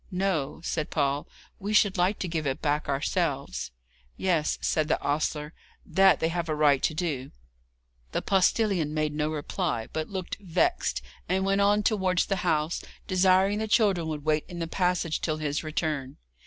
'No,' said Paul; 'we should like to give it back ourselves.' 'Yes,' said the ostler, 'that they have a right to do.' The postillion made no reply, but looked vexed, and went on towards the house, desiring the children would wait in the passage till his return.